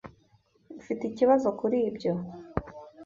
Ufite ikibazo kuri ibyo?